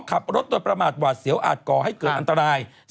ขับรถโดยประมาทหวาดเสียวอาจก่อให้เกิดอันตราย